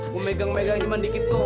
gua megang megang ini mandi gitu